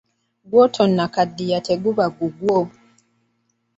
Gw'otonnakaddiya teguba gugwo.